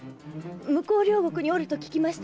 向両国におると聞きました